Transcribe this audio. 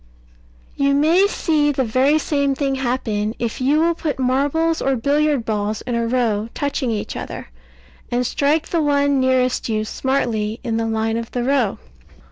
You may see the very same thing happen, if you will put marbles or billiard balls in a row touching each other, and strike the one nearest you smartly in the line of the row.